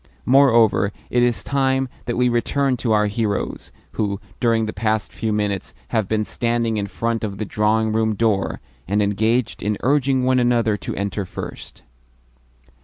Moreover, it is time that we returned to our heroes, who, during the past few minutes, have been standing in front of the drawing room door, and engaged in urging one another to enter first.